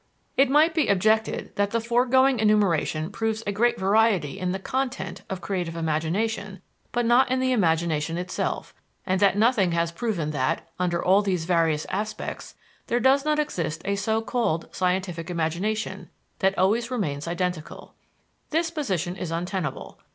It might be objected that the foregoing enumeration proves a great variety in the content of creative imagination but not in the imagination itself, and that nothing has proven that, under all these various aspects, there does not exist a so called scientific imagination, that always remains identical. This position is untenable.